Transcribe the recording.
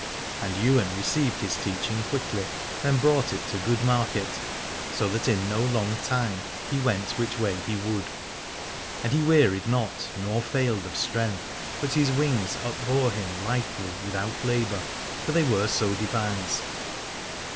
227 Alad ore And Ywain received his teaching quickly, and brought it to good market, so that in no long time he went which way he would : and he wearied not nor failed of strength, but his wings upbore him lightly without labour, for they were so devised.